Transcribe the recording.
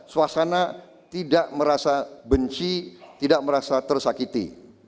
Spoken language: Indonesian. suasana tidak merasa benci tidak merasa tersakiti